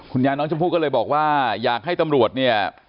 ยายน้องชมพู่ก็เลยบอกว่าอยากให้ตำรวจเนี่ย